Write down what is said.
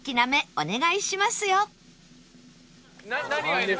お願いします！